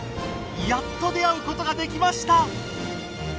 やっと出会うことができました。